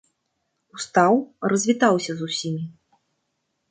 Устаў, развітаўся з усімі.